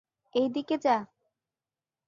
এই দিকে যা।